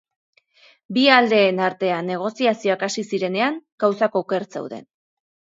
Bi aldeen artean negoziazioak hasi zirenean gauzak oker zeuden.